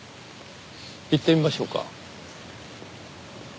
行ってみましょうか。